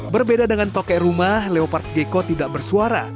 berbeda dengan toke rumah leopard gecko tidak bersuara